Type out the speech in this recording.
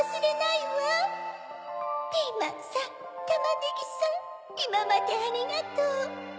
いままでありがとう。